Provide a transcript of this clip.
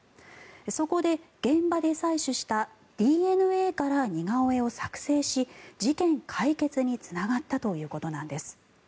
そこで、現場で採取したＤＮＡから似顔絵を作成し事件解決につながったということなんです。